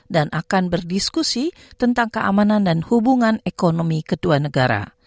dan akan berdiskusi tentang keamanan dan hubungan ekonomi kedua negara